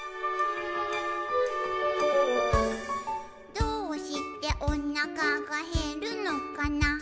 「どうしておなかがへるのかな」